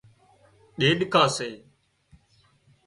ڏيڏڪان سي